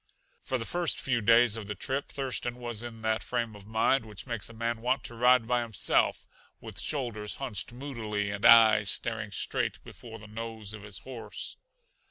For the first few days of the trip Thurston was in that frame of mind which makes a man want to ride by himself, with shoulders hunched moodily and eyes staring straight before the nose of his horse.